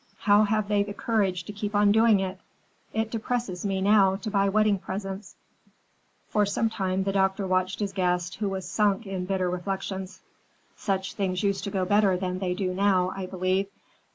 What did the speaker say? How have they the courage to keep on doing it? It depresses me now to buy wedding presents." For some time the doctor watched his guest, who was sunk in bitter reflections. "Such things used to go better than they do now, I believe.